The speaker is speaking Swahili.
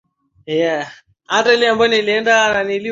Galilaya sura ya pili aya ya ishirini